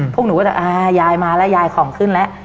พวกหนูอ่ะก็เห็นแล้วว่ายายมาแล้วยายของขึ้นแล้ว